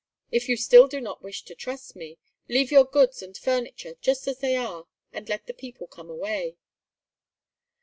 If you still do not wish to trust me, leave your goods and furniture just as they are and let the people come away."